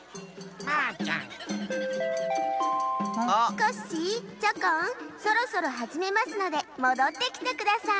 コッシーチョコンそろそろはじめますのでもどってきてください。